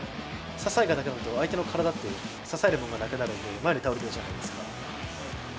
支えがなくなると相手の体って支えるものがなくなるんで前に倒れるじゃないですか。